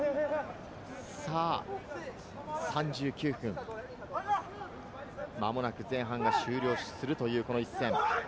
３９分、まもなく前半が終了するというこの一戦。